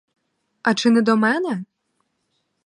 А чи не до мене?